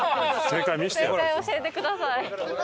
正解教えてください。